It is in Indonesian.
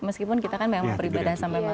meskipun kita kan memang beribadah sama banyak orang